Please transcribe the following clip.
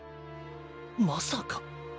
まさか。